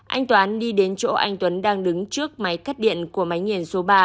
anh toán đi đến chỗ anh tuấn đang đứng trước máy cắt điện của máy nghiền số ba